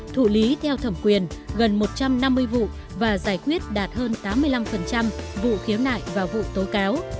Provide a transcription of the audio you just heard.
thụ lý theo thẩm quyền gần một trăm năm mươi vụ và giải quyết đạt hơn tám mươi năm vụ khiếu nại và vụ tố cáo